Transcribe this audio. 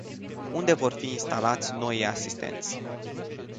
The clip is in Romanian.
Unde vor fi instalați noii asistenți?